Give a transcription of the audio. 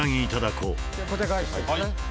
小手返しですね。